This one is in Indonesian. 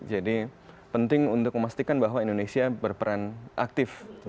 jadi penting untuk memastikan bahwa indonesia berperan aktif di dalam proses pembangunan